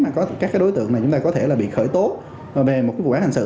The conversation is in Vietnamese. mà các đối tượng này chúng ta có thể là bị khởi tố về một vụ án hành sự